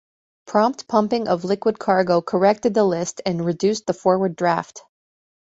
Prompt pumping of liquid cargo corrected the list and reduced the forward draft.